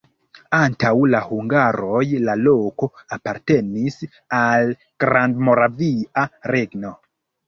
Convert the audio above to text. Antaŭ la hungaroj la loko apartenis al Grandmoravia Regno.